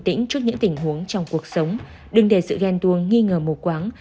tỉnh trước những tình huống trong cuộc sống đừng để sự ghen tuông nghi ngờ mù quáng